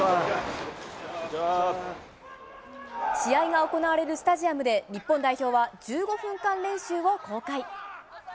試合が行われるスタジアムで日本代表は１５分間練習を公開。